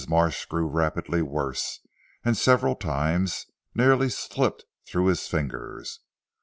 Marsh grew rapidly worse, and several times nearly slipped through his fingers.